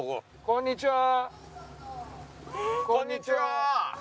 こんにちは。